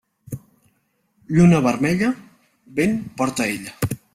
Lluna vermella, vent porta ella.